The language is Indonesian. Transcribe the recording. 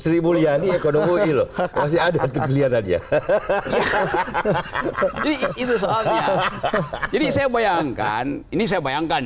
ribu liani ekonomi loh masih ada kelihatannya hahaha jadi saya bayangkan ini saya bayangkan